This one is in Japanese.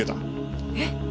えっ。